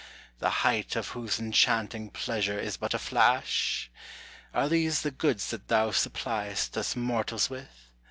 The height of whose enchanting pleasure Is but a flash? Are these the goods that thou supply'st Us mortals with?